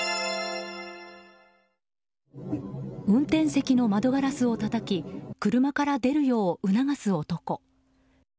運転席の窓ガラスをたたき車から出るよう促す男。